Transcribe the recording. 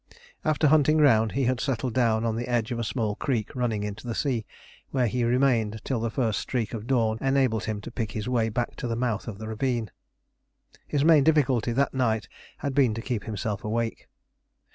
After hunting round, he had settled down on the edge of a small creek running into the sea, where he remained till the first streak of dawn enabled him to pick his way back to the mouth of the ravine. His main difficulty that night had been to keep himself awake.